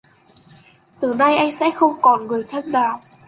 Từ nay anh sẽ không còn người thân nào